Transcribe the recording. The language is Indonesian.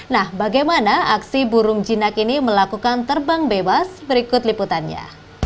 nah bagaimana aksi burung jinak ini melakukan terbang bebas berikut liputannya